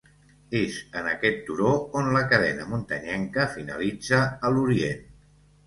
És en aquest turó on la cadena muntanyenca finalitza a l'Orient.